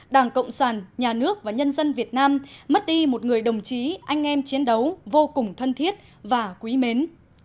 đảng cộng sản nhà nước và nhân dân việt nam mất đi một người đồng chí anh em chiến đấu vô cùng thân thiết và quý mến